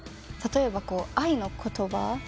例えば愛の言葉。